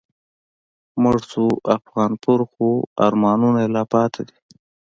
مړ شو افغانپور خو آرمانونه یې لا پاتی دي